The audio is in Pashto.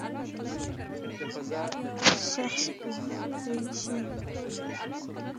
شخص ګوښه کړی شي.